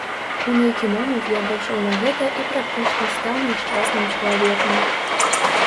У нейкі момант я пайшоў на гэта і практычна стаў няшчасным чалавекам.